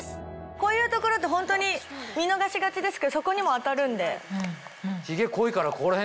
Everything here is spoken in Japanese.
こういう所ってホントに見逃しがちですけどそこにも当たるんで。